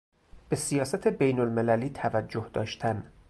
به سیاست بینالمللی توجه داشتن